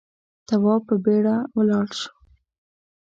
تواب په بيړه ولاړ شو.